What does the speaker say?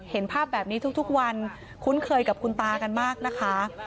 เห็นภาพแบบนี้ทุกวันคุ้นเคยกับคุณตากันมากนะคะ